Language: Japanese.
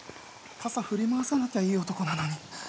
傘振り回さなきゃいい男なのに。